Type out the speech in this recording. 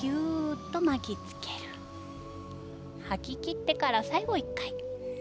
吐ききってから最後１回。